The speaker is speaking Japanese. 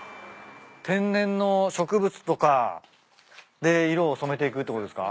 天然の植物とかで色を染めていくってことですか？